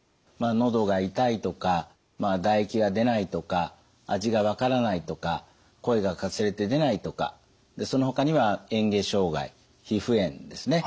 喉が痛いとか唾液が出ないとか味が分からないとか声がかすれて出ないとかそのほかには嚥下障害皮膚炎ですね